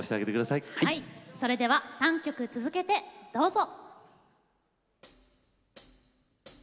それでは３曲続けて、どうぞ。